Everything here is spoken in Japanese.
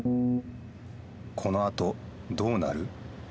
このあとどうなる？